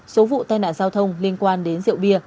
số vụ tai nạn giao thông liên quan đến rượu bia